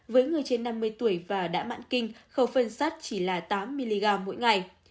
với người trên năm mươi tuổi và đã mãn kinh khẩu phân sắt chỉ là tám mg mỗi ngày